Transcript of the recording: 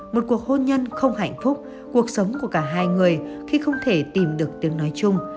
một cuộc hôn nhân không hạnh phúc cuộc sống của cả hai người khi không thể tìm được tiếng nói chung